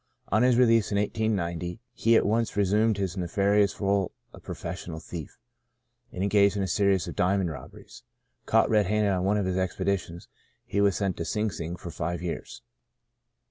On his release in 1890, he at once re sumed his nefarious role of professional thief, and engaged in a series of diamond robberies. Caught red handed on one of his expeditions, he was sent to Sing Sing for five years.